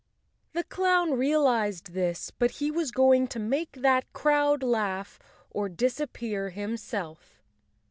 The clown realized this, but he was going to make that crowd laugh—or disappear himself.